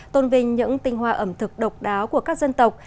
tôn vinh những tinh hoa ẩm thực độc đáo của các dân tộc